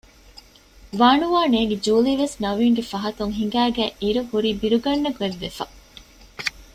ވާނުވާ ނޭގި ޖޫލީވެސް ނަވީންގެ ފަހަތުން ހިނގައިގަތް އިރު ހުރީ ބިރުގަންނަ ގޮތްވެފަ